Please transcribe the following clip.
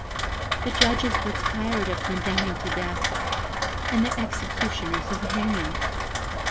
The judges were tired of condemning to death, and the executioners of hanging.